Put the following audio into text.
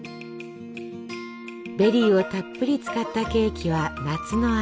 ベリーをたっぷり使ったケーキは夏の味。